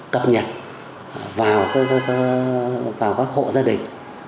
cập nhật vào các hộ gia đình